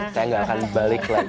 saya nggak akan balik lagi